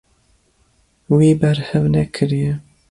Wî berhev nekiriye.